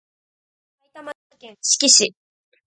埼玉県志木市